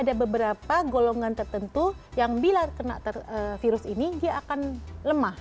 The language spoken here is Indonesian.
ada beberapa golongan tertentu yang bila kena virus ini dia akan lemah